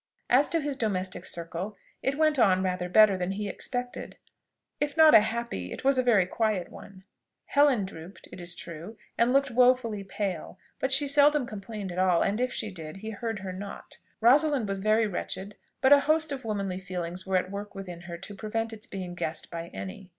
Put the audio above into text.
As to his domestic circle, it went on rather better than he expected: if not a happy, it was a very quiet one. Helen drooped, it is true, and looked wofully pale; but she seldom complained at all, and if she did, he heard her not. Rosalind was very wretched; but a host of womanly feelings were at work within her to prevent its being guessed by any.